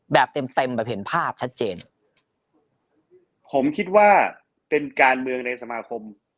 แบบเต็มเต็มแบบเห็นภาพชัดเจนผมคิดว่าเป็นการเมืองในสมาคม